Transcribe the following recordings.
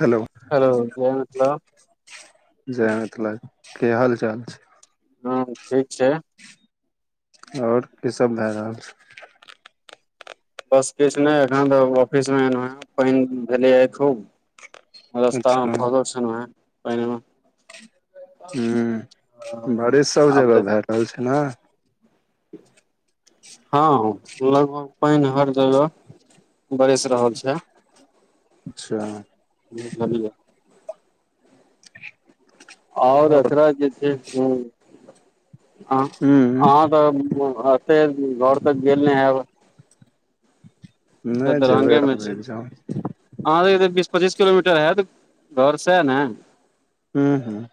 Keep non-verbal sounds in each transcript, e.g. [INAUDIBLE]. Hello जय मिथिला जय मिथिला की हाल चाल छै। ह ठीक छै। - - आओर की सब भए रहल छै। बस किछु नहि एखन तऽ ऑफिस मे एलहु हन पाइन भेलै खूब। रस्तामे अच्छा फसल छलो हे पहिनेमे। हँ बारिश सब आब तऽ जगह भए छै ने। हँ लगभग पाइन हर जगह। बरेस रहल छै। अच्छा। ह ननी [UNINTELLIGIBLE] आओर एकरा जे छै। ह हूँ अहाँ तऽ एते घर तक गेल ने हयब। नहि जेबै दरभंगे त मे छी रेह जाओ। अहाँ त बीस पच्चीस किलोमीटर हैत घर से सेह न। हूँ हूँ।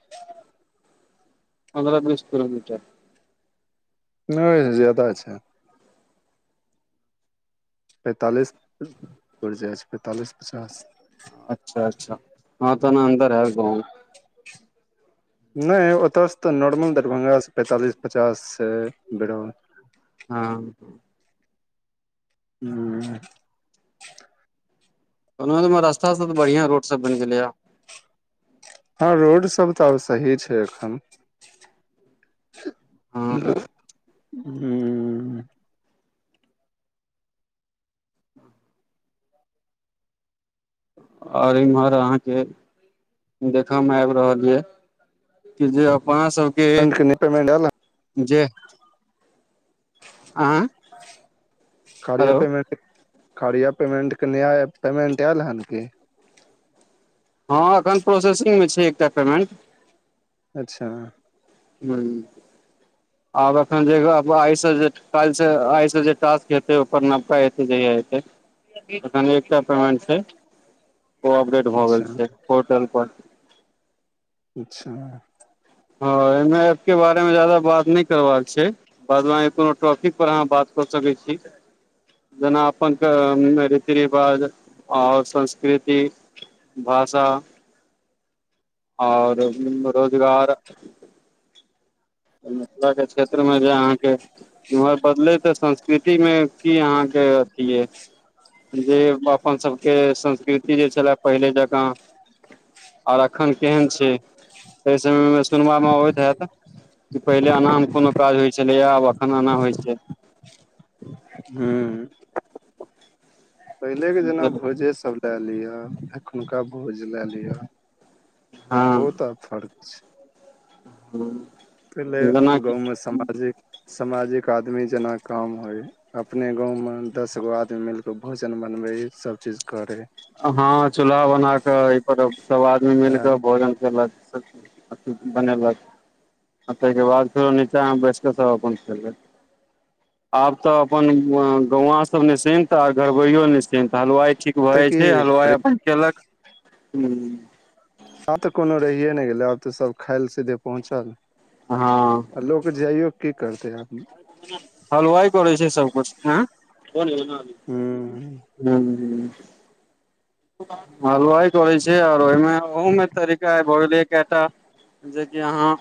पन्द्रह बीस किलोमीटर। नहि ज्यादा छै। पेंतालिस पर जाय छै पेंतालिस पचास। अच्छा अच्छा हँ तऽ ने अन्दर है गाँव। नहि ओतऽसँ तऽ नॉर्मल दरभङ्गासँ पैंतालिस पचास बिरोल। हँ। हू। मधुबनी में रास्ता सब तऽ बढ़ियां रोड सब बनि गेलै आब। हँ रोड सब तऽ आब सही छै एखन। हँ [INAUDIBLE] हुं और इम्हर अहां के देखय में आबि रहल ये। कि जे अपना सब [UNINTELLIGIBLE] पेमेन्ट [UNINTELLIGIBLE] जे आँ कार्या हेलो पेमेन्ट कार्या पेमेन्ट कनि आइ पेमेंट आयल हें कि? हँ एखन प्रोसेसिंगमे छै एकटा पेमेन्ट। अच्छा [UNINTELLIGIBLE] आब एखन जे [UNINTELLIGIBLE] आइ से जे कालि से आइ से जे टास्क हेतै ओकर नवका एतै जहिया एतै। तखन एकटा पेमेंट छै। ओ अपडेट भऽ अच्छा गेल छै। पोर्टल पर अच्छा। हँ एहिमे एप के बारे मे जादा बात नहि करबाक छै। बाद मे अहां कोनो टॉपिक पर अहाँ बात कऽ सकैत छी। जेना अपन के अं रीति रिवाज आओर संस्कृति। भाषा आओर रोजगार [INAUDIBLE] त मिथिलाके क्षेत्रमे जे अहाँके इम्हर बदलै तऽ संस्कृतिमे कि अहाँके अथी ये? जे अपन सबके संस्कृति जे छलए पहिले जकाँ आर एखन केहन छै, एहि समय मे सुनबामे अबैत हैत कि पहिले एनामे कोनो काज होइ छलैएा आब एखन एना होइ छै। हूँ। पहिलेके जेना हँ भोजेसभ लए लिअ, एखुनका भोज लए लिअ। ओ तऽ फर्क छै। हूँ। पहिले गाँवमे समाजिक, समाजिक आदमी जेना काम होइ। अपने गाँवमे दस गो आदमी मिल कऽ भोजन बनबै सभचीज करै। हँ चूल्हा बना कऽ एहि पर अब सभ आदमी मिल कऽ तऽ भोजन केलक। सब [UNINTELLIGIBLE] बनेलक आ ताहिके बाद फेर ओ निचा में बैसके सब अपन खेलक। आब तऽ अपन अं-गौवां सब निश्चिंत आर घरबैयो निश्चिंत। हलवाई ठीक भऽ तै जाइ के छै प्रेम [UNINTELLIGIBLE] केलक। हूँ आब तऽ कोनो रहिए नहि गेलै। आब तऽ सब खाइ ले सीधे पहुँचल। अहां आ लोक जाइयो की करतै आदमी। हलवाइ करै छै सबकुछ। आँ [UNINTELLIGIBLE] हूँ हूं-हूं हलवाइ करै छै आर ओहिमे ओहुमें तरीका आइ भऽ गेलैया केयटा। जेकि अहाँ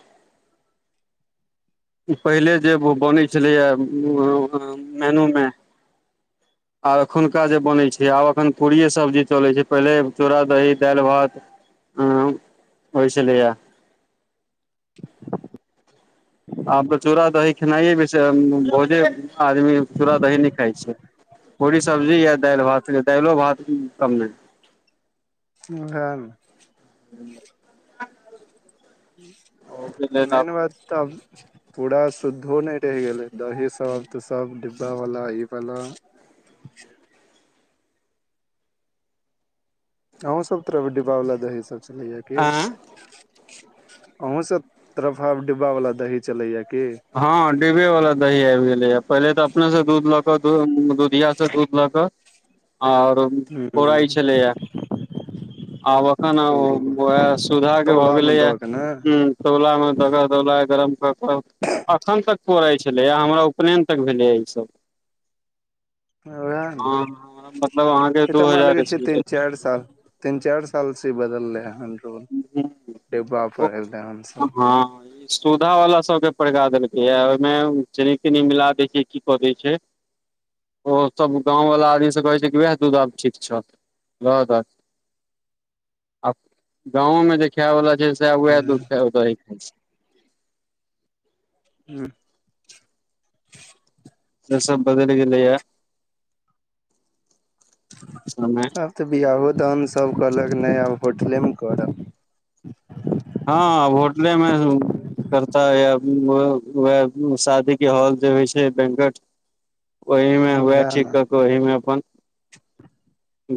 पहिले जे ब-बनै छलैए म-म-अं-मेनू मे। आब एखुनका जे बनै छै। आब एखन पूड़ियए सब्जी चलै छै। पहिले चूड़ा-दही, दालि-भात अं होय छेलैया। आब तऽ चूड़ा-दही खेनाइए बे भोजे आदमी चूड़ा दही नहि खाइ छै। [UNINTELLIGIBLE] पूरी सब्जी या दालि भातके दाइलो भात कम नहि। [UNINTELLIGIBLE] ओहेना। [UNINTELLIGIBLE] हूँ। [UNINTELLIGIBLE] लेल मेन आब बात तऽ अब पूरा शुद्धो नहि रहि गेलै। [UNINTELLIGIBLE] दही सब तऽ सब डिब्बावला ई बला। [UNINTELLIGIBLE] अहूँ सब तरफ इ डिब्बाव वला दही सभ चलैया कि। आँ [UNINTELLIGIBLE] अहूँ सब तरफ आब डिब्बा वला दही चलैया कि। [UNINTELLIGIBLE] हँ, डिब्बे वला दही आबि गेलैया पहिले तऽ अपने से दूध लऽ कऽ दुधिया से दूध लऽ कऽ। [UNINTELLIGIBLE] आओर। [UNINTELLIGIBLE] पौराइ हूँ। छलैया [UNINTELLIGIBLE] आब अखन उह सुधा के भऽ तौला मे गेलैएा हूँ। दऽ के ने [UNINTELLIGIBLE] तौला मे दऽ कऽ तौला के गरम कऽ कऽ। [UNINTELLIGIBLE] अखन तक पोराइ छलै हमरा उपनयन तक भेलै या ई सब। उएह [UNINTELLIGIBLE] ने हँ मतलब अहाँके ई तऽ दू हमरा लगै हजार छै इसवी तीन तक। [UNINTELLIGIBLE] चारि साल। [UNINTELLIGIBLE] तीन चारि सालसँ बदललै हन रोल डिब्बा पर एलै हन सब। [UNINTELLIGIBLE] हँ ई सुधा वला सब के परड़का देलकै या ओहिमे चीनी तीनी मिला दै छै की कऽ दय छै। [UNINTELLIGIBLE] ओ सब गांवलला आदमी सब कहै छै, कि वएह दूध आब ठीक छ रह दहक गाँवं देखायवला छै, स वएह दुख हूं हूँ। से सब बदलि गेलय यह सममे आब तऽ बिआहो दान सब कहलक नहि आब होटलेमे करब हँ, होटले में खर्चाया वह शादी के हॉल जे होइ छै, बैंकट ओहिमे हुए उएह ठीक ने क के ओहिमे अपन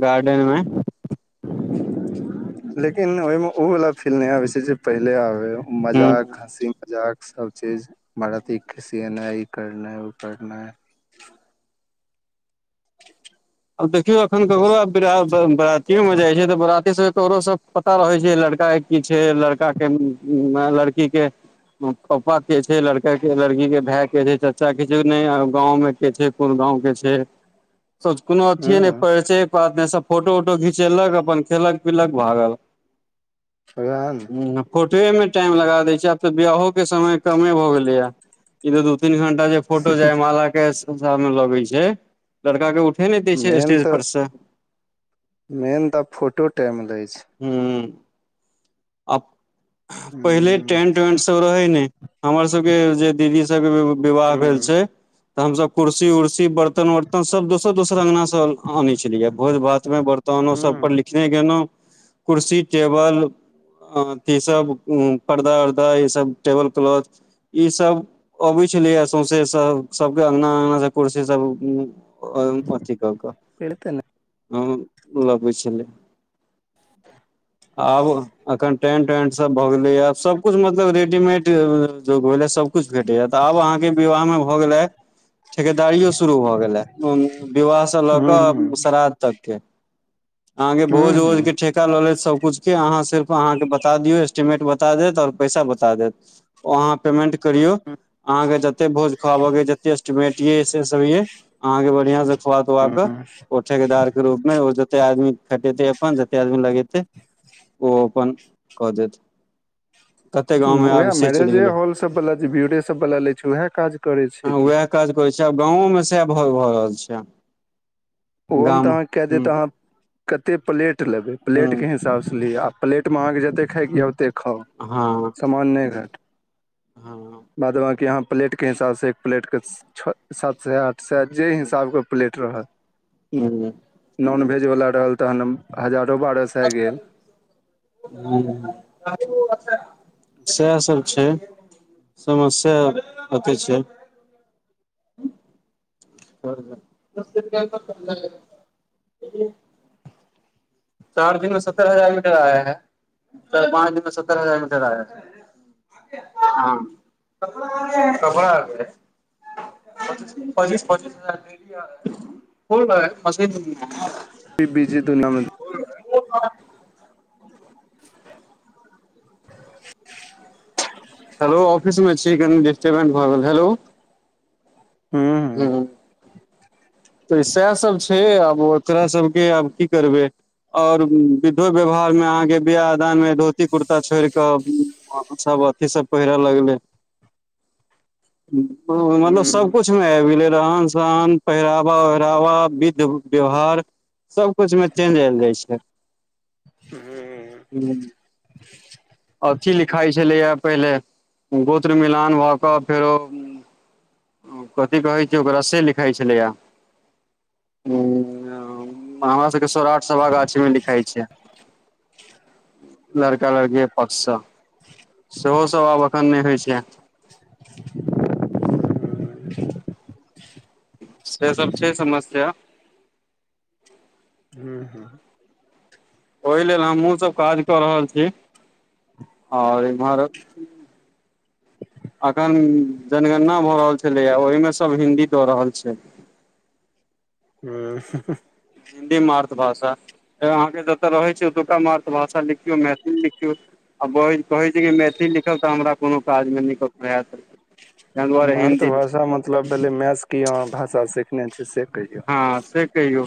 गार्डेन मे लेकिन ओहिमे ओ वला फील नहि आबै छै, जे पहिले आबे ह मजाक हँसी मजाक सबचीज बरातीके सिनाइ ई करनाइ ओ करनाइ आब देखियो अखन ककरो आब बरातीयो मे जाइ छै, तऽ बराती सब ककरो सब पता रहै छै लड़का की छै लड़का के लड़की के पापा के छै, लड़का के लड़की के भाय के छै चाचा के छै ने गाँंव मे के छै कोन गाँं के छै कोनो अथिए नहि हँ प छै। ने सब फोटो उटो घिचेलक अपन खेलक पीलक भागल स ने ह फोटोएमे टाइम लगा दैत छै, आब तऽ बियाहोके समय कमे भऽ गेलैए। ई दू तीन घंटा जे फोटो जयमाला के सने लगै छै, लड़का के उठे नहि दै छै मेन स्टेज तऽ पर से मेन तऽ फोटो टाइम लै छै। ह, आ पहिले हूँ टेंट वेंट सब रहे ने हमर सबके जे दीदी सबके विवाह भेल छै, तऽ हमसब कुसी उर्सी बर्तन वरतन तहऽ सभ दोसर दोसर अँगनासँ आनै छलियै भोज भातमे बर्तानो सभपर लिखने गेलहुँ कुर्सी टेबल अ अथी सब पर्दा उर्दा ई सब टेबल क्लॉथ ई सब अबै छलेय सौंसे सब सबके अंगना अंगना से कुर्सी सब [UNINTELLIGIBLE] हँ लगै छलै। आब अखन टेंट वेंट सब भऽ गेलै या सब कुछ मत लब रेडीमेड अ जुग भेल आ सभकिछु भेटैया तऽ आब अहाँके विवाहमे भऽ गेला ठेकेदारियो शुरू भऽ गेल आ उ विवाह से लऽ कऽ श्राद्ध तकके। अहाँ के भोज हूँ ओजके ठेका लेत सबकुछ के अहाँ सिर्फ अहाँके बता दियऔ एस्टीमेट बता देत और पैसा बता देत। ओ अहाँ पेमेंट करियो अहा के जते भोज खुआब के जते एस्टीमेट ये से सब ये अहाँके बढ़ियां से खुआ तुआ कऽ ओ ठेकेदार के रूप मे ओ जते आदमी खटेते अपन कते आदमी लगेते ओ अपन कऽ देत। कते गाँव मे आब उएह से चलि मैरेजे गेलै हॉल सबवला जे ब्यूरे सबवला लै छै उएह काज करै हँ छै की। उएह काज करै छै आब गाँवो मे सह भऽ रहल छै। ओहो मे गाम तऽ अहाँ के कैह हूँ देत अहां कते प्लेट लेबय प्लेट के हूँ हिसाब ब स लिया आ प्लेट मे आहाँके जते खायइ के यऽ ओतेक खाउ। हँ। [UNINTELLIGIBLE] हँ बाद बाकी अहाँ प्लेटके हिसाब से एक प्लेटके छ, सात सा आठ सा जय हिसाबके प्लेट रहैत। हु। नॉनवेजवला रहल तखन हजारो बारह सा गेल। हु हु हु सएह सब छै। समस्या अते छै। [UNINTELLIGIBLE] [UNINTELLIGIBLE] [UNINTELLIGIBLE] [UNINTELLIGIBLE] [UNINTELLIGIBLE] हेलो ऑफिस मे छी कनी डिस्टर्बेंट भऽ गेल हेलो। हूँ हुं। तऽ सएह सभ छैय आब ओकरा सभके आब की करबै। और बिद्धो व्यवहार में अहाँके बियाह आ दान मे धोती कुर्ता छोड़ कऽ आब सब अथि सब पहिरे लगले। मतलब हूँ सबकुछ मे आबि गेलै रहन सहन पहिराव रवा विध व्यवहार सब कुछ में चेंज आल जाइ छैय। हु। अथी लिखाइत छलैया पहिले गोत्र मिलान भऽ कऽ फेरो कथी कहैत छैय ओकरा से लिखाइ छलैया, उम्म। ह्म्म हमरा सबके सौराठ साभा गाछी मे लिखाइ छैय। लड़का लड़की के पक्षसँ सेहोसँभ आब एखन नहि होइ छैय। से सब छैय समस्या। हु हु। ओहि लेल हमहुँ सब काज कऽ रहल छी और इम्हर अखन जनगणना भऽ रहल छलै या ओहिमे सब हिन्दी दऽ रहल छैय। हुँ उ हुँ हिन्दी मातृभाषा अहाँके जतय रहैत छैय ओतुका मातृभाषा लिखियौ मैथिली लिखियौ। आ बहिन कहैत छैय कि मैथिल लिखब तऽ हमरा कुनु काज मे नै त प्रयास मातृभाषा मतलब भेलै मैसँ की अहाँ भाषा सिखने छीय से कहियौ। हाँ से कहियौ।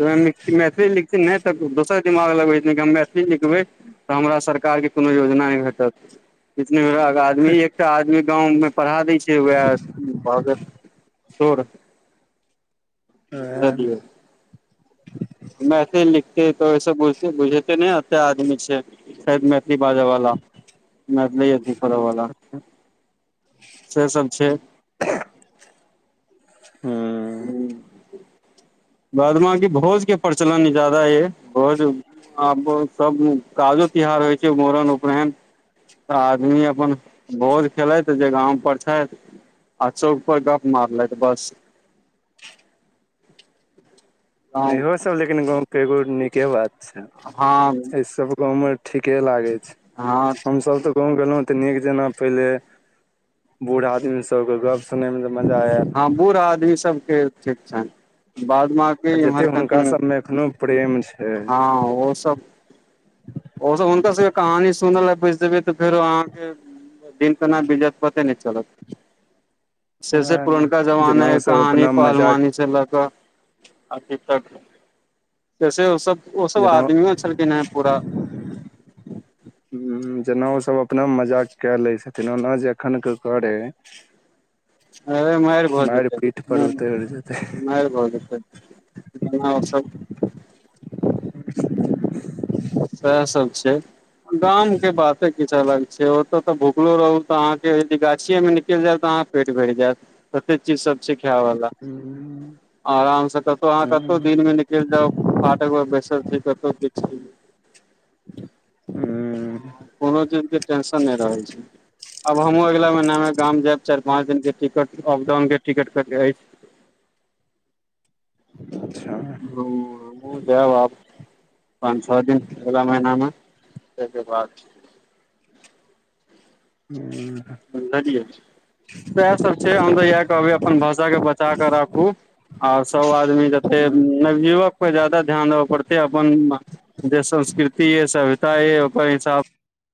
मैथिली लिखथिन नहि तऽ दोसर दिमाग लगबै थिन कि हम मैथिली लिखबै। तऽ हमरा सरकारके कुनो योजना नहि भेटत। किछ नै आदमी एकटा आदमी गाँंव मे पढ़ा दै छैय वएह भ गेल। सोर उएह मे। मैथिली लिखतै तऽ ओहिसँ बुझे बुझेते ने एते आदमी छैय। छैथ मैथिली बाजावाला मैथिली अथी करैवला। छै सब छैय। हूँ हुँ। बाद बकी भोज के प्रचलन ज्यादा यै भोज आब बहुत सब काजो तिहार होइ छैय मुड़न, उपनयन। त आदमी अपन भोज खेलैत जे गाँम पर छथि। आ चौक पर गप मारलैत बस। गाँव इहो सब लेकिन गाँवके एगो नीके बात छैय हँ एहि सब गाँवमे ठीके लागै छैय हँ हमस तऽ। गाँव गेलहुँ तऽ नीक जना पहिले बूढ़ आदमी सबके गप उतनेमे ज मजा आइल। हाँ बूढ़ आदमी सब के ठीक छैन बाद बाकि। आ जते हुनका सब में एखनो प्रेम छैय। हाँ ओ सब। ओ सब हुनका सबके कहानी सुनल बैस जेबै तऽ फेर अहाँके दिन केन बित जेते पते नहि चलत। सेसे वएह ने पुरनका जेना जमानाह ओसभ कहानी अपना मजाक पहलवानी से लऽक अभी तक। जैसे ओ सब ओ सब जेना आदमियो छलखिन है पूरा हम्म जेना ओसभ अपना मजाक कए लै छथिन ओना जे एखन कियो करै। अरे माइर भऽ मारि जेतै पीठ ह पर उतरि जेतै माइर भ जेतै। ओना ओसब। सएह सब छै गाम के बाते किछ अलग छै ओत तऽ भुखलो रहू तऽ अहाँके यदि गाछिए मे निकल जैब त अहाँ पेट भैर जायत। कते चीज सब छै खायवाला हूँ आराम स कतहु अहाँ कतहु हूँ दिन मे निकलि जाउ। आटक ब बेसल छी कतै किछ हूँ कोनो चीज के टेंशन नै रहै छै। अब हमहूँ अगला महीना मे गाम जायब चाइर पांच दिन के टिकट अपडाउन के टिकट करके अछि। अच्छा ह हमहूँ जैब आब पाँन छ दिन अगला महिनामे। तके बाद। ह [INAUDIBLE] सएह सब छै हम तऽ इएह कहबै अपन भाषा के बचा क राखु आर सब आद आदमी जते नवयुवक। पर जादा ध्यान देब पड़ते अपन जे संस्कृति य सभ्यता य ओकर हिसाब।